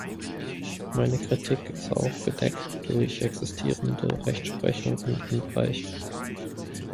Meine Kritik ist auch gedeckt durch existierende Rechtsprechung in diesem Bereich.